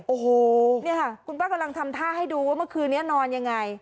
โอ้โหเนี่ยค่ะคุณป้ากำลังทำท่าให้ดูว่าเมื่อคืนนี้นอนยังไง